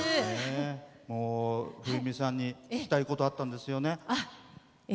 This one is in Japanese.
冬美さんに聞きたいことあったんですよね。